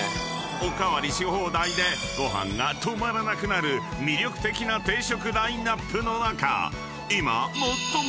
［お代わりし放題でご飯が止まらなくなる魅力的な定食ラインアップの中今］